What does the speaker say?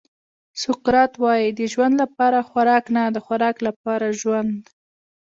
سقراط وایي د ژوند لپاره خوراک نه د خوراک لپاره ژوند.